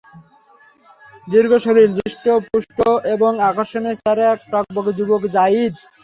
দীর্ঘ শরীর, হৃষ্ট-পুষ্ট এবং আকর্ষণীয় চেহারার এক টগবগে যুবক যারীদ।